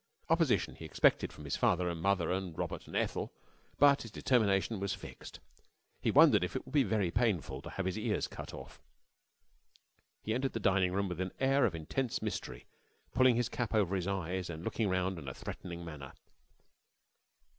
Opposition he expected from his father and mother and Robert and Ethel, but his determination was fixed. He wondered if it would be very painful to have his ears cut off. He entered the dining room with an air of intense mystery, pulling his cap over his eyes, and looking round in a threatening manner.